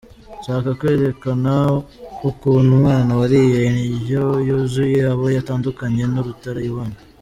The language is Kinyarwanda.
Nshaka kwerekana ukuntu umwana wariye indyo yuzuye aba atandukanye n’utarayibonye.